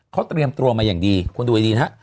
เขาเตรียมตัวมาอย่างดีคุณดูให้ดีนะฮะ